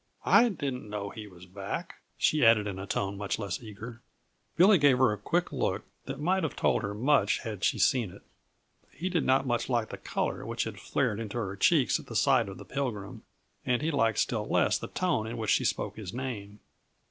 "I didn't know he was back," she added, in a tone much less eager. Billy gave her a quick look that might have told her much had she seen it. He did not much like the color which had flared into her cheeks at sight of the Pilgrim, and he liked still less the tone in which she spoke his name.